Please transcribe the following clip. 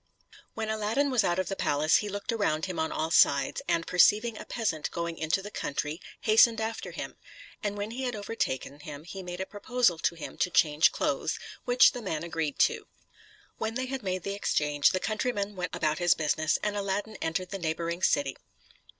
When Aladdin was out of the palace, he looked around him on all sides, and perceiving a peasant going into the country, hastened after him; and when he had overtaken him, made a proposal to him to change clothes, which the man agreed to. When they had made the exchange, the countryman went about his business, and Aladdin entered the neighboring city.